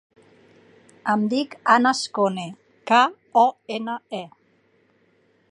Em dic Anas Kone: ca, o, ena, e.